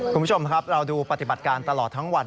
คุณผู้ชมครับเราดูปฏิบัติการตลอดทั้งวัน